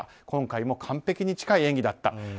今回も完璧に近い演技だった。